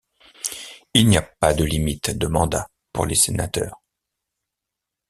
Il n'y a pas de limite de mandat pour les sénateurs.